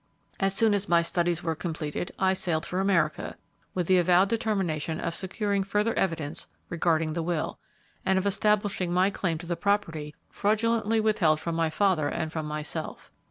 "As soon as my studies were completed, I sailed for America, with the avowed determination of securing further evidence regarding the will, and of establishing my claim to the property fraudulently withheld from my father and from myself.